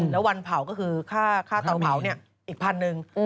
แล้ววันเผาก็คือค่าเตาเผาอีกพันหนึ่ง